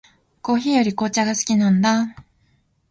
コーヒーより紅茶が好きなんだ。